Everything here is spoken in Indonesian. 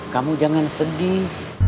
kamu jangan sedih